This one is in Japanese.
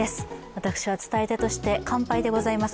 私は伝え手として完敗でございます。